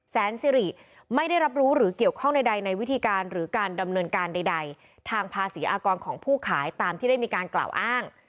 แสนสิริไม่ได้รับรู้หรือเกี่ยวข้องใดในวิธีการหรือการดำเนินการใดทางภาษีอากรของผู้ขายตามที่ได้มีการกล่าวอ้าง